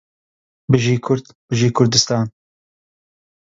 بژی کورد بژی کوردستان